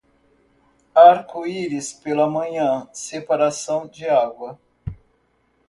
Arco-íris pela manhã, separação de água.